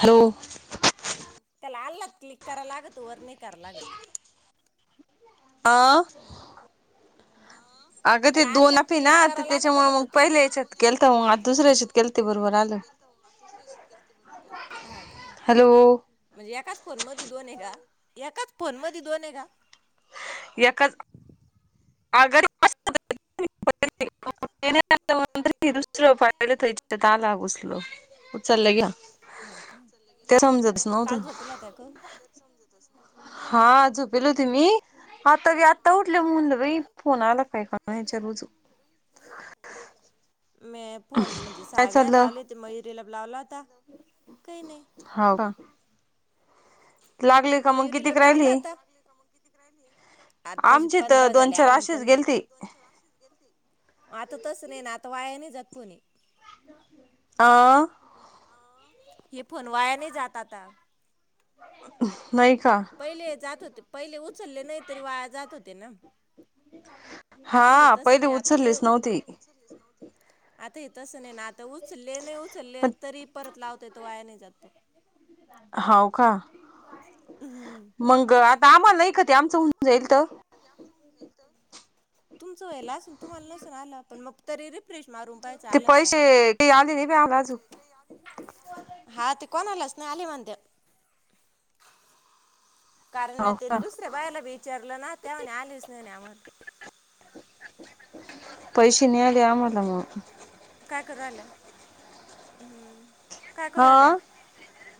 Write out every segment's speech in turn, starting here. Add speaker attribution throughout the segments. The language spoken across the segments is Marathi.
Speaker 1: हॅलो
Speaker 2: त्याला आल्ला क्लिक करायला लागत वर नाही कर लागत
Speaker 1: ह अगं ते
Speaker 2: त्याला
Speaker 1: दोन
Speaker 2: आल्लात
Speaker 1: आपे ना
Speaker 2: क्लिक करा लागत
Speaker 1: त्याच्यामु मग
Speaker 2: म्हणलं तुम्ही त्या
Speaker 1: पहिल्या याच्यात केल तर मग आता दुसऱ्या याच्यात केलंत ते बरोबर आलं
Speaker 2: हा का
Speaker 1: हॅलो
Speaker 2: म्हणजे एकाच फोन मध्ये दोन आहे का एकाच फोन मध्ये दोन आहे गा
Speaker 1: अगर [unintelligible] [unintelligible] ते समजतच नव्हतं
Speaker 2: काल झोपेल [unintelligible]
Speaker 1: हा झोपेली होती मी आता आत आता उठल्या म्हलं फोन आला काय [unintelligible]
Speaker 2: मी फोन म्हणजे
Speaker 1: काय
Speaker 2: सगळ्या
Speaker 1: चाललं?
Speaker 2: लावल्या मयुरीेला लावला होता. काही नाही.
Speaker 1: लागली का मग
Speaker 2: मयुरीला
Speaker 1: कितीक राहिली
Speaker 2: लावला होता आत्ताशी
Speaker 1: आमची तर
Speaker 2: पंधरा
Speaker 1: दोन
Speaker 2: झाले
Speaker 1: चार
Speaker 2: अजून
Speaker 1: अशीेच गेलती‌.
Speaker 2: पंधरा आता तसं नाही आता वाया नाही जात कुणी.
Speaker 1: हं.
Speaker 2: हे फोन वाया नाही जात आता.
Speaker 1: [inaudible]
Speaker 2: पहिले जात होते. पहिले उचलले नाही तरी वाया जात होते ना. आता
Speaker 1: हा
Speaker 2: येतच
Speaker 1: पहिले
Speaker 2: नाही आता नाही.
Speaker 1: उचललीच नव्हती
Speaker 2: आता इथ तसं नाही ना. उचले नाही उचलले
Speaker 1: पण
Speaker 2: तरी परत लाव तो वाया नाही जातो.
Speaker 1: होव का. मंगळ
Speaker 2: मग आता [unintelligible] ते आमचं होऊन जाईल [unintelligible] तुमचं व्हायला अस तुम्हाला नसन आला पण मग तरी रिफ्रेश मारून पहायचं
Speaker 1: ते
Speaker 2: आलं काय
Speaker 1: पैसे काही आले नाही बी आम्हाला अजून
Speaker 2: हा ते कोणालाच आले मंद. कारण म
Speaker 1: हो
Speaker 2: ते
Speaker 1: का
Speaker 2: दुसऱ्या बायला विचारलं ना त्याव्हा आलीच नाही आम्हाला.
Speaker 1: पैसे नि आले आम्हाला मग.
Speaker 2: काय करू आलं हम्म. काय करू
Speaker 1: हा
Speaker 2: [unintelligible]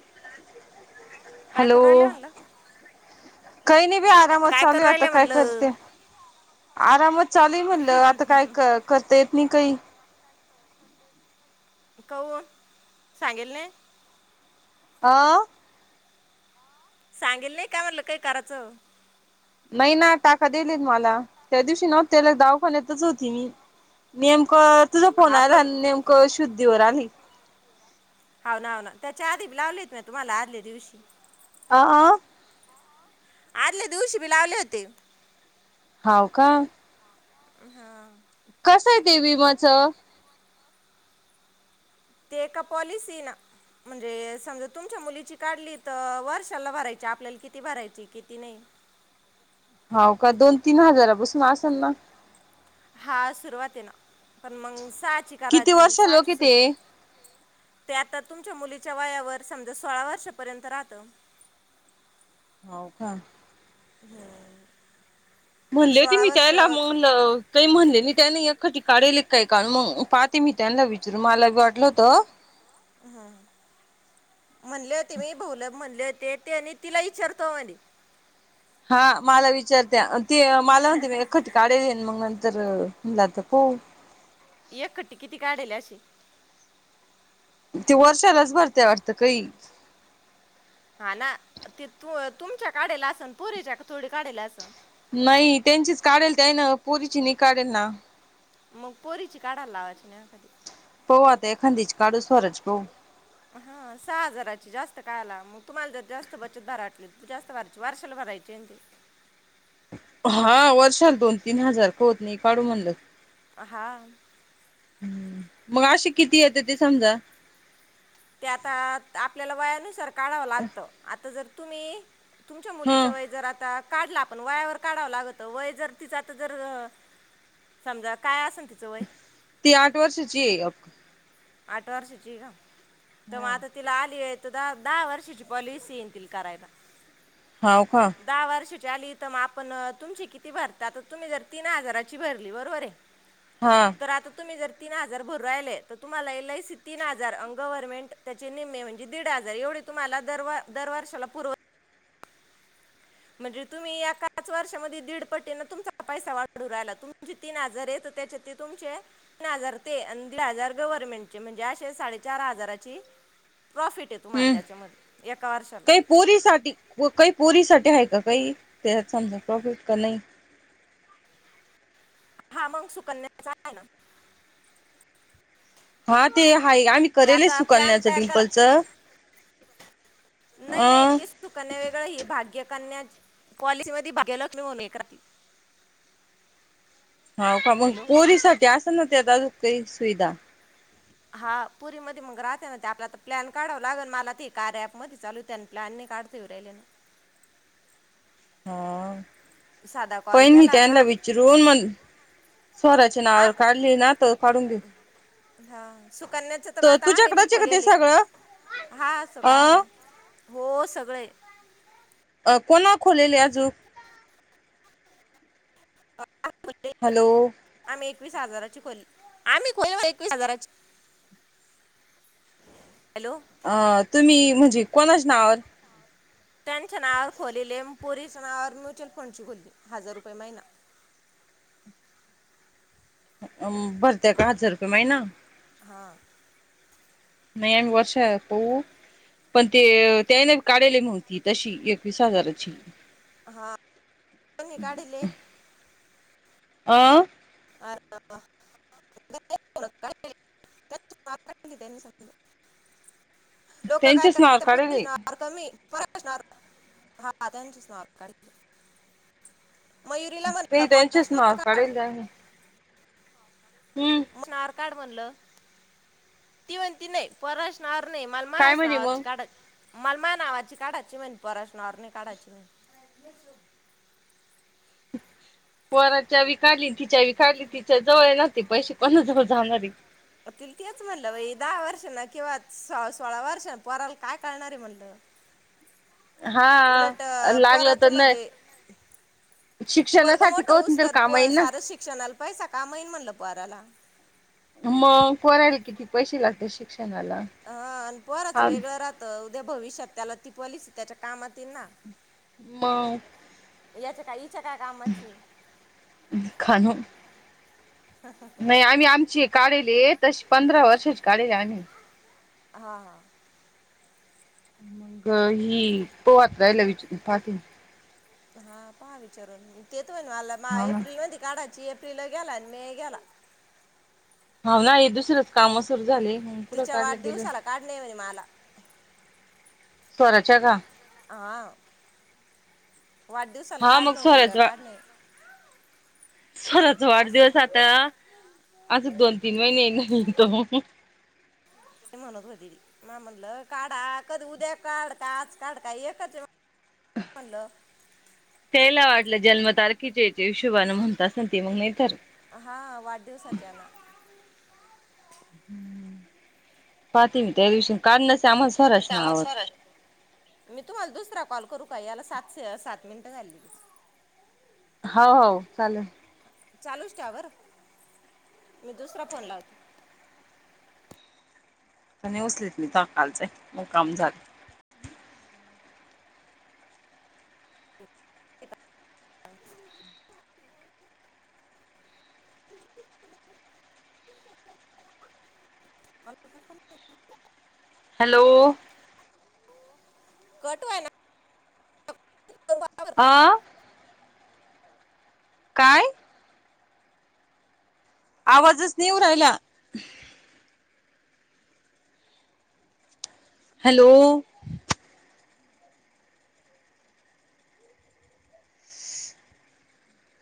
Speaker 2: काय
Speaker 1: हॅलो,
Speaker 2: करू राहिल्या म्हणलं?
Speaker 1: काही नाही बी आरामात
Speaker 2: काय करू
Speaker 1: चालूय आता
Speaker 2: राहिल्या
Speaker 1: काय
Speaker 2: म्हणलं?
Speaker 1: करते, आरामात चालू म्हणलं आता काय करता येत नाही काही.
Speaker 2: कऊ सांगेल न.
Speaker 1: आ.
Speaker 2: सांगेल नाही का म्हटलं काय करायचं.
Speaker 1: नाही ना टाका दिलेत मला त्या दिवशी नव्ह त्याला दावाखान्यातच होती मी नेम तझो फोन
Speaker 2: हा पण
Speaker 1: [unintelligible] नेमकं शुद्धीवर आली.
Speaker 2: होा ना हो ना त्याच्या आधीी लावलेत ना तुम्हाला आदल्या दिवशी
Speaker 1: हा ह
Speaker 2: आदले दिवशी बिलावले होते
Speaker 1: होव का
Speaker 2: हा
Speaker 1: कसं आहे ते विमाच
Speaker 2: ते एका पॉलिसी ना म्हणजे समजा तुमच्या मुलीची काढली तर वर्षाला भरायची आपल्याला किती भरायची किती नाही
Speaker 1: होाव का दोन तीन हजारापसून असेल ना
Speaker 2: हा सुरुवात आहे ना पण मग साची
Speaker 1: किती
Speaker 2: कराची
Speaker 1: वर्ष लोक
Speaker 2: साची
Speaker 1: आहे
Speaker 2: सुर
Speaker 1: ते
Speaker 2: त्यात तुमच्या मुलीच्या वयावर समजा सोळा वर्षापर्यंत राहत
Speaker 1: होवका
Speaker 2: हम्म
Speaker 1: म्हणले होते मी त्याला म काही म्हणले मी त्या नाही कधी काढल काय का मग पाहते मी त्यांना विचारू मला बी वाटलं होत
Speaker 2: हम्म म्हणले होते मी बऊल म्हणले होते ते ते आणि तिला विचारतो म्हणे
Speaker 1: हा मला विचारत ते मला म्हणते मी एखी काडे देईन मग इर लातको
Speaker 2: एक खट्टी किती काढल अशी
Speaker 1: ते वर्षालाच भरते वाटतं काही
Speaker 2: हा ना ते त तुमच्या काढला असन प पुरीच्या थोडी काढाला असन
Speaker 1: नाही त्यांचीच काढेल ते ना पुरीची नि काढेल ना
Speaker 2: मग पोरीची काढायला लावायची नाही कधी
Speaker 1: प आता एखदीीच काढू स्वरच पह
Speaker 2: हा सहा हजाराची जास्त कायला मग तुम्हाला जर जास्त बचत भराटली तर जास्त भरायची वारशाला भरायची ते
Speaker 1: हा वर्षाल दोन तीन हजार खत नाही काढू म्हणलं
Speaker 2: हहाा
Speaker 1: हम्म मग अे किती येत ते समजा
Speaker 2: त्या आता आपल्याला वया नाही सारख काढावं लागत आता जर तुम्ही तुमच्या
Speaker 1: ह
Speaker 2: मुलीचं वय जर राहात काढला आपण वयावर काढावं लागतत वय जर तिचं आ जर समजा काय असेल तिचं वय
Speaker 1: ती आठ वर्षची आहे अक
Speaker 2: आठ वाार सुचला तर मग आता तिला आली आहे द दहा वर्षाची पॉलिसी येतील करायला
Speaker 1: होाव का
Speaker 2: ली तर मग आपण तुमची किती भरता आता तुम्ही जर तीन हजाराची भरली बरोबर आहे
Speaker 1: हा
Speaker 2: तर आता तुम्ही जर तीन हजार भरू राहिले तुम्हाला एलआयसी तीन हजार अन गव्हर्नमेंट त्याचे निम्मे म्हणजे दीड हजार एवढे तुम्हाला दर व वर्षाला पुर्व म्हणजे तुम्ही या पाच वर्षामध्ये दीडपट्टीने तुमचा पैसा वाढू राहिला तुमचे तीन हजार येत त्याच्या तुमचे तीन हजार ते हजार गव्हर्नमेंटचे म्हणजे अे साडे चार हजाराची प्रॉफिट आहे तुम्हाला
Speaker 1: हम्म
Speaker 2: त्याच्यामध्ये एका वर्षाला
Speaker 1: काही पोरी साठी काही पोरी साठी आहे का? काही त्याच्यात समजा प्रॉफिट का नाही?
Speaker 2: हा मग सुकन्याचा आहे ना
Speaker 1: हा ते हाय आम्ही
Speaker 2: ते
Speaker 1: करेल
Speaker 2: आता प्लॅन
Speaker 1: सुकन्याचं
Speaker 2: तयार करा
Speaker 1: डिम्पलचं
Speaker 2: नाही नाही तेच सुकन्या वेगळं ही भाग्यकन्या पॉलिसीमध्ये भाग्यलक्ष्मी म्हणून ए कराती
Speaker 1: हा का मग पोरीसाठी असं ना ते काही सुविधा
Speaker 2: हा पोरीमध्ये मग राहते ना ते आपला तर प्लॅन काढाव लागल मला ते कार्य ॲपमध्ये चालूते आणि प्लॅन नाही काढतीव राहिले ना
Speaker 1: हा
Speaker 2: साधा कॉल
Speaker 1: पहिन मी
Speaker 2: केला का?
Speaker 1: त्यांना विचारून मग स्वराच्या नावावर
Speaker 2: आम
Speaker 1: काढली ना तर काढून घेऊ.
Speaker 2: ह सुकन्याच तर म आता आ मे बी
Speaker 1: तुझ्याकडच आहे का ते
Speaker 2: खोलेले
Speaker 1: सगळं
Speaker 2: हा सगळं आहे ना,
Speaker 1: अ
Speaker 2: हो सगळे हे
Speaker 1: कोणा खोलेले याजु हॅलो
Speaker 2: मी एकवीस हजाराची खोली आम्ही खो एकवीस हजाराची हॅलो
Speaker 1: अ तुम्ही म्हणजे कोणाच्या नावावर
Speaker 2: त्यांच्या नावावर खोलेले पोरीच्या नावावर म्युच्युअल फंडची खोली हजार रुपये महिना
Speaker 1: अ भरतेय का हजार रुपये महिना?
Speaker 2: हा.
Speaker 1: नाही आम्ही वर्षा पाहू पण ते त्याने काढले नव्हती तशी एकवीस हजाराची
Speaker 2: हा त्यांनी काढिले
Speaker 1: आ
Speaker 2: [unintelligible] [unintelligible]
Speaker 1: त्यांचीच नावं काढली
Speaker 2: पर असणार हा त्यांचीच नावं काढिले
Speaker 1: तेही त्यांचेच नावं काढिले आणि
Speaker 2: मच नावावर काढ त म्हणलं ती म्हणती नाही पोराच्या नावाव नई मला
Speaker 1: काय
Speaker 2: माह्याच
Speaker 1: म्हणे मग
Speaker 2: नावावरची काढायची. मला मह्या नावाची काढायची म्हणे पोराच्या नावावर नाही काढायची म्हणे.
Speaker 1: पोराच्या बी काढली तिच्या बी काढली तिच्या जवळ येनार पैसे कोणा जवळ जाणारे
Speaker 2: म तिला तेच म्हणलं बाई दहा वर्ष ना किंवा सोळा वर्ष पोराला काय कळणार म्हणलं उलट
Speaker 1: हा लागलं
Speaker 2: पोराचं
Speaker 1: तर नाही
Speaker 2: म्हणजे पोरग
Speaker 1: शिक्षणासाठी
Speaker 2: मोठ
Speaker 1: का होत त्याला
Speaker 2: होउसतर
Speaker 1: कामा
Speaker 2: प
Speaker 1: येईल ना
Speaker 2: सार शिक्षणाला पैसा काम येईन म्हणलं पोराला
Speaker 1: मग पोरायला किती पैसे लागते शिक्ष
Speaker 2: हा अन् पोराचं वेगळं राहतं उद्या भविष्यात त्याला ती पॉलिसी त्याच्या कामात येईल ना
Speaker 1: मगं
Speaker 2: याचं काही तुमच्या काय कामची
Speaker 1: खाणू नाही आम्ही आमची काढले तशी पंधरा वर्षाची काढले आम्ही
Speaker 2: हा हा
Speaker 1: मंग ही पोहात रायला विचारून पाहते ना
Speaker 2: हा पहा विचारून ते [unintelligible] मला महा
Speaker 1: हा ना
Speaker 2: एप्रिलमध्ये काढाची एप्रिल गेला मे गेला
Speaker 1: हाव ना हे दुसरेच काम सुरू झाले मग कुठं
Speaker 2: तिच्या
Speaker 1: काढलं गेलं
Speaker 2: वाढदिवसाला काढणे म्हणे मला
Speaker 1: पोराच्या का
Speaker 2: हा वाढदिवसाला
Speaker 1: हा मग
Speaker 2: काढणं होती का
Speaker 1: स्वराचा
Speaker 2: काढणे
Speaker 1: स्वराचा वाढदिवस
Speaker 2: असं
Speaker 1: आता अजूक दोन तीन महिन्यान येईन तो
Speaker 2: ते म्हणत होतील म्या म्हणल काढा कधी उद्या काढ का आज काढ काय एकच म्हणल
Speaker 1: त्यायला वाटलं जन्म तारखेच्या चे हिशोबाने म्हणत असं ते मग नाही तर
Speaker 2: हा वाढदिवसाच्याना
Speaker 1: हम्म पाहते मी त्या दिवशी काढनस आम्हाला स्वराच्या
Speaker 2: सामान
Speaker 1: नावावर
Speaker 2: स्वराष्ट्र मी तुम्हाला दुसरा कॉल करू का याला सात सात मिनट झाली
Speaker 1: हो हो चालेल
Speaker 2: चालूच ठेवा बरं मी दुसरा फोन लावते
Speaker 1: उचलीत मी तवा कालचा ये मग काम झाल
Speaker 2: [unintelligible]
Speaker 1: हॅलो
Speaker 2: कट व्हाय ना
Speaker 1: आ काय आवाजच नेऊ राहिला हॅलो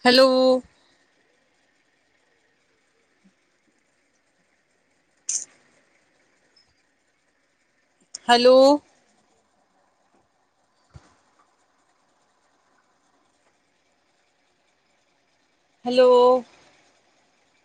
Speaker 1: हॅलो हॅलो हॅलो